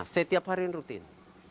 setiap hari rutin